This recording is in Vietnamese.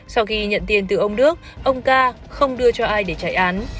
sau khi nhận tiền từ ông đước ông ca không đưa cho ai để trại án